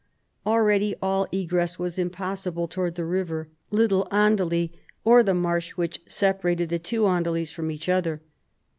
Already all egress was impossible towards the river, Little Andely, or the marsh which separated the two Andelys from each other.